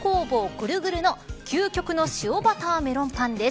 ぐるぐるの究極の塩バターメロンパンです。